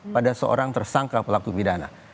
pada seorang tersangka pelaku pidana